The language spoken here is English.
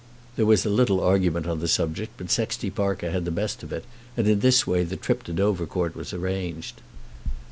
There was a little argument on the subject, but Sexty Parker had the best of it, and in this way the trip to Dovercourt was arranged.